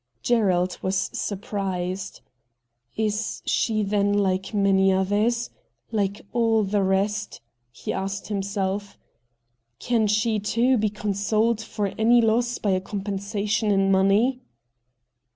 Gerald was surprised. ' Is she then like so many others — hke all the rest ?' he asked himself ' Can she, too, be consoled for any loss by a compensation in money